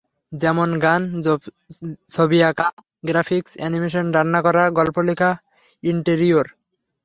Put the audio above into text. যেমন গান, ছবি আঁকা, গ্রাফিকস, অ্যানিমেশন, রান্না করা, গল্প লেখা, ইন্টেরিয়র।